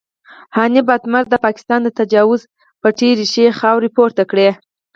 حنیف اتمر د پاکستان د تجاوز پټې ریښې خاورې پورته کړې.